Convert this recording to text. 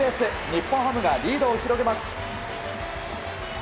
日本ハムがリードを広げます。